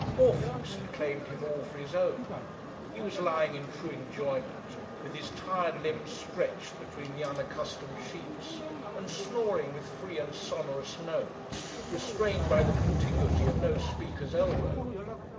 Morpheus had claimed him all for his own. He was lying in true enjoyment, with his tired limbs stretched between the unaccustomed sheets, and snoring with free and sonorous nose, restrained by the contiguity of no Speaker's elbow.